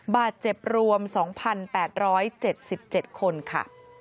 บาดเจ็บรวม๒๘๗๗คนค่ะ